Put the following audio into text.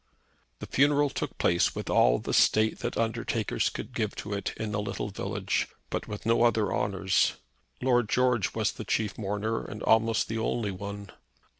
The funeral took place with all the state that undertakers could give to it in a little village, but with no other honours. Lord George was the chief mourner and almost the only one.